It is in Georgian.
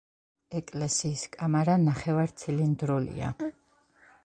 ეკლესიის კამარა ნახევარცილინდრულია.